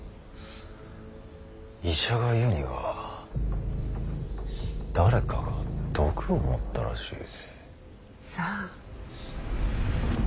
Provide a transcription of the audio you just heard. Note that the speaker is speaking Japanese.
医者が言うには誰かが毒を盛ったらしい。さあ。